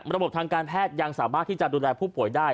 ระบบทางการแพทย์ยังสามารถที่จะดูแลผู้ป่วยได้